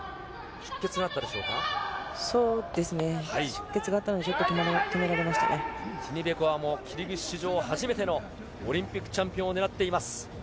出血があったのティニベコワも、キルギス史上初めてのオリンピックチャンピオンを狙っています。